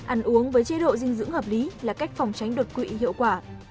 ăn uống với chế độ dinh dưỡng hợp lý là cách phòng tránh đột quỵ hiệu quả